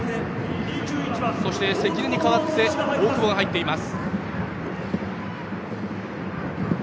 そして、関根に代わって大久保が入っています。